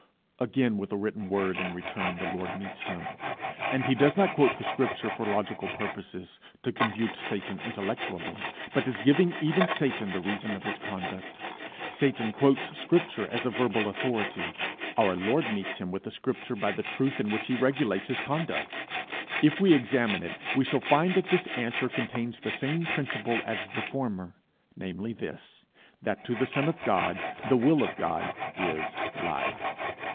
Again, with a written word, in return, the Lord meets him. And he does not quote the scripture for logical purposes to confute Satan intellectually, but as giving even Satan the reason of his conduct. Satan quotes Scripture as a verbal authority; our Lord meets him with a Scripture by the truth in which he regulates his conduct. If we examine it, we shall find that this answer contains the same principle as the former, namely this, that to the Son of God the will of God is Life.